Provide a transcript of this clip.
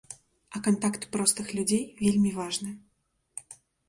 А кантакт простых людзей вельмі важны.